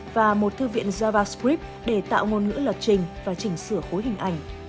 và một thư viện javascript để tạo ngôn ngữ lập trình và chỉnh sửa khối hình ảnh